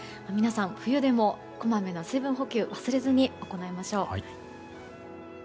皆さん、冬でもこまめな水分補給を忘れずに行いましょう。